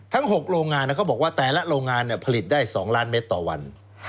ทั้ง๖โรงงานเขาบอกว่าแต่ละโรงงานผลิตได้๒ล้านเมตรต่อวัน